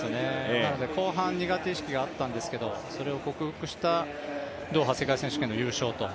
後半苦手意識があったんですけどそれを克服したドーハ世界選手権の優勝と。